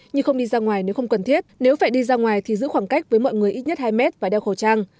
như không đi ra ngoài nếu không cần thiết nếu phải đi ra ngoài thì giữ khoảng cách với mọi người ít nhất hai mét và đeo khẩu trang